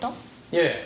いえ